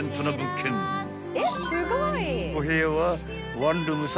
［お部屋は］